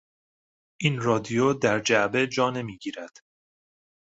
این رادیو در جعبه جا نمیگیرد.